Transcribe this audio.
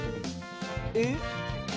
えっ？